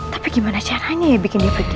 tapi gimana caranya ya bikin dia pergi